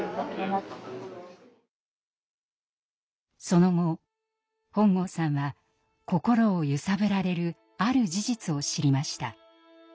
その後本郷さんは心を揺さぶられるある事実を知りました。